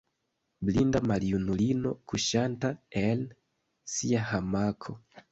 Blinda maljunulino, kuŝanta en sia hamako.